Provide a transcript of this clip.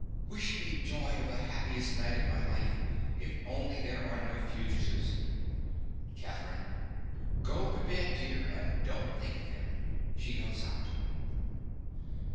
_) Wish me joy of the happiest night of my life—if only there are no fugitives. CATHERINE. Go to bed, dear; and don't think of them. (_She goes out.